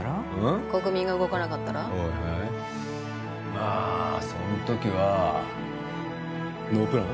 まあそんときはノープラン？